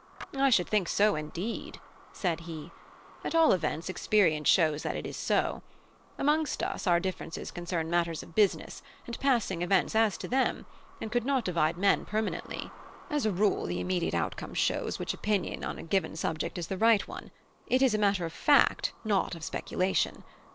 "I should think so, indeed," said he. "At all events, experience shows that it is so. Amongst us, our differences concern matters of business, and passing events as to them, and could not divide men permanently. As a rule, the immediate outcome shows which opinion on a given subject is the right one; it is a matter of fact, not of speculation.